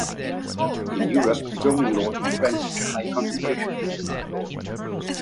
In Europe zoning laws would prevent such a high concentration of similar stores.